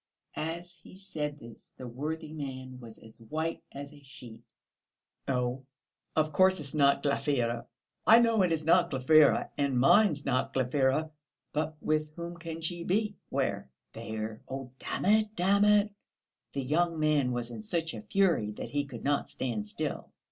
As he said this the worthy man was as white as a sheet. "Oh, of course it is not Glafira, I know it is not Glafira, and mine's not Glafira; but with whom can she be?" "Where?" "There! Oh, damn it, damn it!" (The young man was in such a fury that he could not stand still.)